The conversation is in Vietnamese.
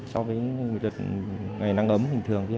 so với ngày nắng ấm hình thường